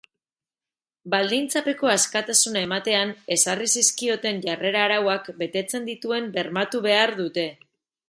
Baldintzapeko askatasuna ematean ezarri zizkioten jarrera arauak betetzen dituen bermatu behar dute.